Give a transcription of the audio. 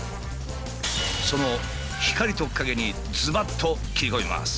その光と影にずばっと切り込みます！